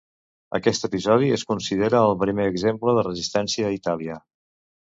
Aquest episodi es considera el primer exemple de resistència a Itàlia.